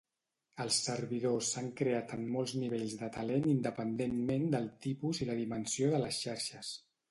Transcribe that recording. Els servidors s'han creat en molts nivells de talent independentment del tipus i la dimensió de les xarxes.